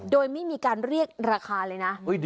โดยไม่มีการเรียกราคาเลยนะ